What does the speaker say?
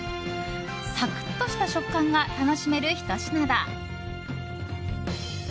サクッとした食感が楽しめるひと品だ。